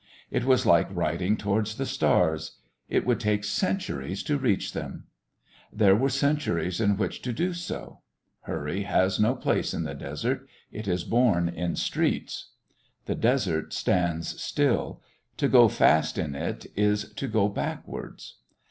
It was like riding towards the stars. It would take centuries to reach them. There were centuries in which to do so. Hurry has no place in the desert; it is born in streets. The desert stands still; to go fast in it is to go backwards.